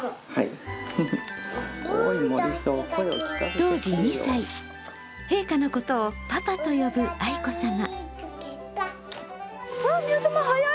当時２歳、陛下のことをパパと呼ぶ愛子さま。